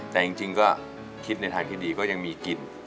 แต่จริงก็คิดในทางที่ดีก็ยังมีกิน